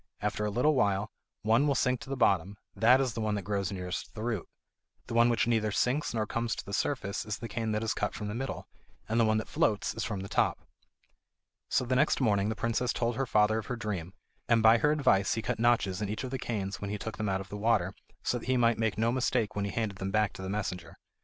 After a little while one will sink to the bottom; that is the one that grows nearest the root. The one which neither sinks nor comes to the surface is the cane that is cut from the middle; and the one that floats is from the top." So, the next morning, the princess told her father of her dream, and by her advice he cut notches in each of the canes when he took them out of the water, so that he might make no mistake when he handed them back to the messenger.